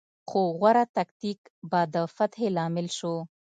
خو غوره تکتیک به د فتحې لامل شو.